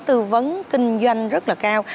tư vấn kinh doanh rất là cao